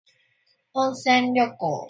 Well, send your call.